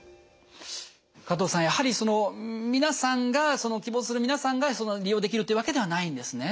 加藤さんやはり皆さんが希望する皆さんが利用できるっていうわけではないんですね？